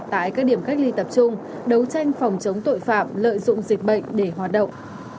tại các điểm cách ly tập trung đấu tranh phòng chống tội phạm lợi dụng dịch bệnh để hoạt động